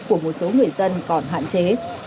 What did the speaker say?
của một số người dân còn hạn chế